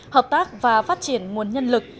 hợp tác và phát triển nguồn nhân lực